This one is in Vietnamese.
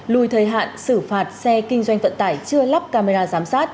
lùi thời hạn xử phạt xe kinh doanh vận tải chưa lắp camera giám sát